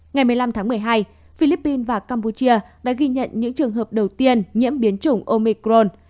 ngày một mươi năm tháng một mươi hai philippines và campuchia đã ghi nhận những trường hợp đầu tiên nhiễm biến chủng omicron